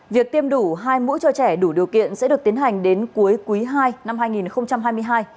việc tiêm đủ hai mũ cho trẻ đủ điều kiện sẽ được tiến hành đến cuối quý ii năm hai nghìn hai mươi hai